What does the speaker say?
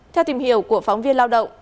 theo tìm hiểu của phóng viên lao động